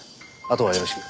あとはよろしく。